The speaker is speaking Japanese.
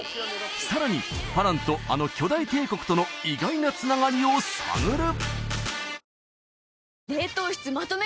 さらに花郎とあの巨大帝国との意外なつながりを探る！